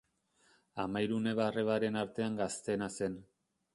Hamahiru neba-arrebaren artean gazteena zen.